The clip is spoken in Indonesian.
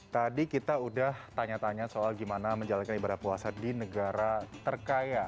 tadi kita udah tanya tanya soal gimana menjalankan ibadah puasa di negara terkaya